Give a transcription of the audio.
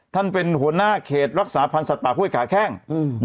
ท่านเป็นหัวหน้าเขตรักษาพันธ์สัตว์ป่าห้วยขาแข้ง